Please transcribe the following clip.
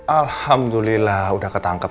alhamdulillah udah ketangkap